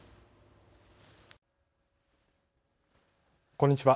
こんにちは。